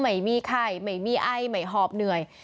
ไม่มีไข้ไม่มีไอไม่หอบเหนื่อย